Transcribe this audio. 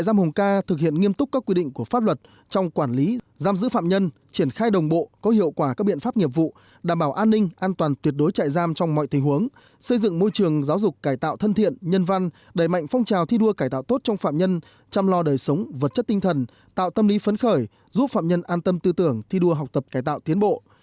giám hùng ca thực hiện nghiêm túc các quy định của pháp luật trong quản lý giam giữ phạm nhân triển khai đồng bộ có hiệu quả các biện pháp nghiệp vụ đảm bảo an ninh an toàn tuyệt đối trại giam trong mọi tình huống xây dựng môi trường giáo dục cải tạo thân thiện nhân văn đẩy mạnh phong trào thi đua cải tạo tốt trong phạm nhân chăm lo đời sống vật chất tinh thần tạo tâm lý phấn khởi giúp phạm nhân an tâm tư tưởng thi đua học tập cải tạo tiến bộ